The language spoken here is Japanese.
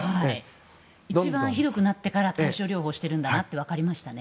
一番ひどくなってから対症療法してるんだなって分かりましたね。